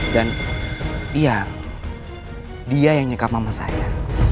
dan dia dia yang nyekap mama saya